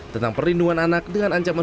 tentang perlindungan anak dengan ancaman